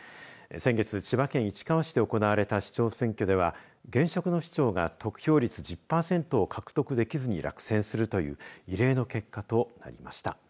先月、千葉県市川市で行われた市長選挙では現職の市長が、得票率１０パーセントを獲得できずに落選するという異例の結果となりました。